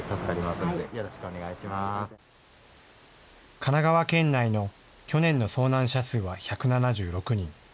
神奈川県内の去年の遭難者数は１７６人。